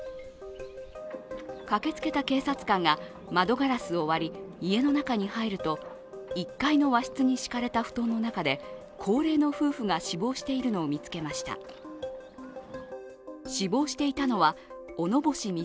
駆けつけた警察官が窓ガラスを割り、家の中に入ると１階の和室に敷かれた布団の中で高齢の夫婦が死亡しているのを見つけました。